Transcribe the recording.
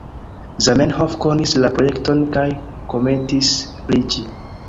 Zamenhof konis la projekton kaj komentis pri ĝi.